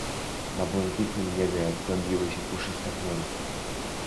Na błękitnym niebie kłębiły się puszyste chmury.